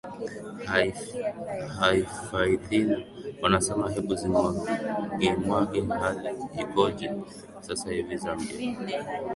haifaithina wanasema hebu zimwagemwage hali ikoje sasa hivi zambia